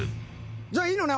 じゃあいいのね？